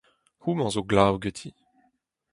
Homañ zo glav ganti.